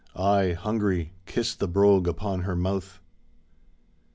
I, hungry, kissed the brogue upon her mouth.